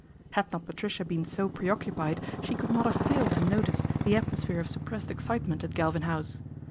Had not Patricia been so preoccupied, she could lot have failed to notice the atmosphere of sup pressed excitement at Galvin House.